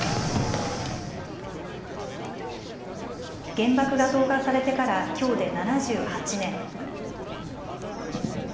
原爆が投下されてからきょうで７８年。